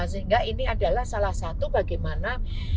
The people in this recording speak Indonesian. sehingga ini adalah salah satu bagaimana